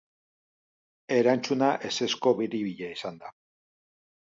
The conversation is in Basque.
Erantzuna ezezko biribila izan da.